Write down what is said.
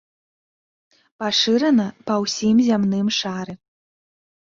Пашырана па ўсім зямным шары.